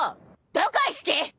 どこ行く気！？